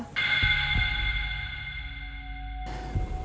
mama enggak kebayang sedihnya andi kalau sampai dia meninggal